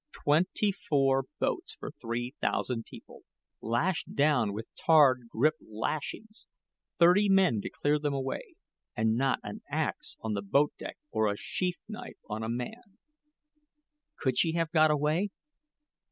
Twenty four boats for three thousand people lashed down with tarred gripe lashings thirty men to clear them away, and not an axe on the boat deck or a sheath knife on a man. Could she have got away?